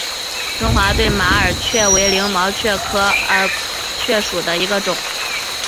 中华对马耳蕨为鳞毛蕨科耳蕨属下的一个种。